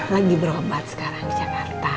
lagi berobat sekarang di jakarta